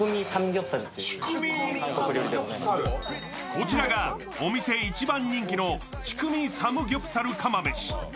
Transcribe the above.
こちらがお店一番人気のチュクミサムギョプサル釜めし。